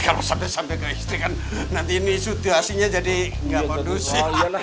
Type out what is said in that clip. kalau sampai sampai ke istri kan nanti ini situasinya jadi gak mau dusik